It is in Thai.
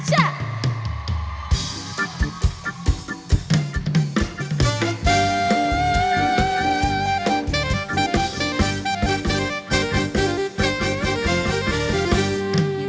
ก็จะมีความสุขมากกว่าทุกคนค่ะ